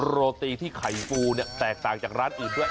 โรตีที่ไข่ฟูเนี่ยแตกต่างจากร้านอื่นด้วย